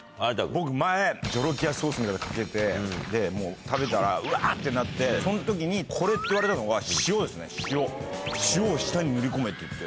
僕前ジョロキアソースみたいのかけて食べたらうわ！ってなってその時に「これ」って言われたのが塩ですね塩。